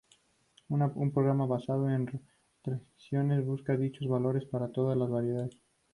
Un programa basado en restricciones busca dichos valores para todas las variables.